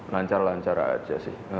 lancar lancar aja sih